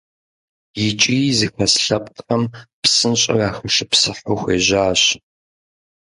ИкӀи зыхэс лъэпкъхэм псынщӏэу яхэшыпсыхьу хуежьащ.